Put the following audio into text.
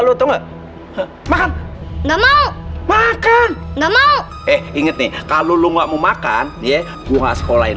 lu tuh nggak mau nggak mau makan enggak mau eh inget nih kalau lu nggak mau makan ya gua sekolah